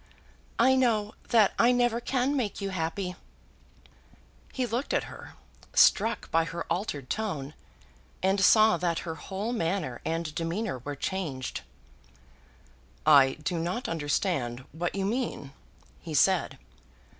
"I know that I never can make you happy." He looked at her, struck by her altered tone, and saw that her whole manner and demeanour were changed. "I do not understand what you mean," he said.